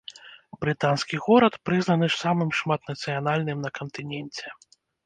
Брытанскі горад прызнаны самым шматнацыянальным на кантыненце.